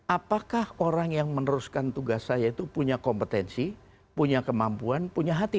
apakah orang yang meneruskan tugas saya itu punya kompetensi punya kemampuan punya hati